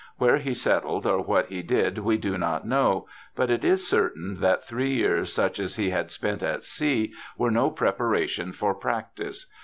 Where he settled or what he did we do not know, but it is certain that three years such as he had spent at sea were no preparation for practice.